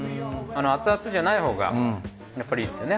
アツアツじゃないほうがやっぱりいいですよね。